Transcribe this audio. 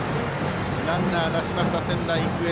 ランナー出しました、仙台育英。